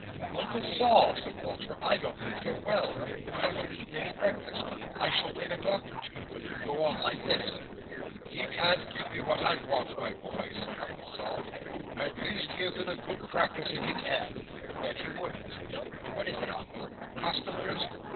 "Uncle Sol," said Walter, "I don't think you're well. You haven't eaten any breakfast. I shall bring a doctor to you, if you go on like this." "He can't give me what I want, my boy," said Uncle Sol. "At least he is in good practice if he can—and then he wouldn't." "What is it, Uncle? Customers?"